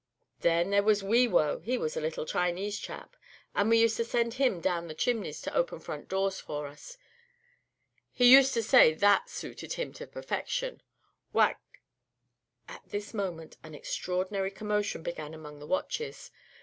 Then there was Wee Wo, he was a little Chinese chap, and we used to send him down the chimneys to open front doors for us. He used to say that sooted him to perfection. Wac " At this moment an extraordinary commotion began among the watches.